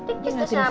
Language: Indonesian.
tikis tuh siapa